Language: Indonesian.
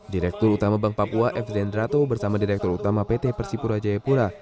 direktur utama bank papua f zendrato bersama direktur utama pt persipura jayapura